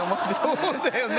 そうだよね。